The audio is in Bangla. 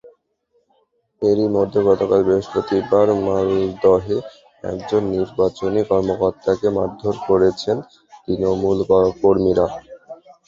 এরই মধ্যে গতকাল বৃহস্পতিবার মালদহে একজন নির্বাচনী কর্মকর্তাকে মারধর করেছেন তৃণমূলকর্মীরা।